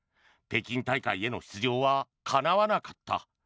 北京大会への出場はかなわなかった。